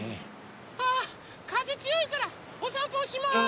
あかぜつよいからおさんぽおしまい！